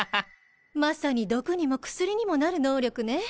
まさに毒にも薬にもなる能力ね。